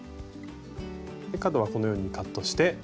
角はこのようにカットして。